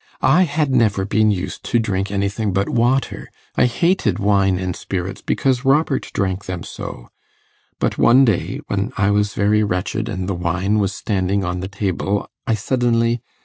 I had never been used to drink anything but water. I hated wine and spirits because Robert drank them so; but one day when I was very wretched, and the wine was standing on the table, I suddenly